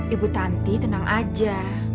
ibu tanti tenang aja